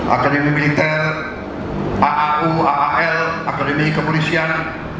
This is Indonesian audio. akademi militer aau aal akademi kepolisian